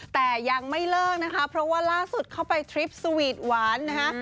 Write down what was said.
แต่ยังไม่เลิกนะคะเพราะว่าล่าสุดเข้าไปทริปสวีทหวานนะคะ